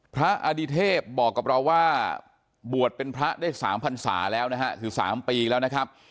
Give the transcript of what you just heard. อดิเทพบอกกับเราว่าบวชเป็นพระได้๓พันศาแล้วนะฮะคือ๓ปีแล้วนะครับ